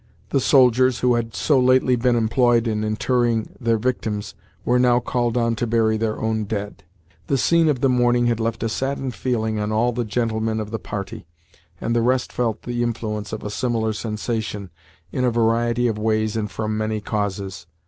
The soldiers, who had so lately been employed in interring their victims, were now called on to bury their own dead. The scene of the morning had left a saddened feeling on all the gentlemen of the party, and the rest felt the influence of a similar sensation, in a variety of ways and from many causes.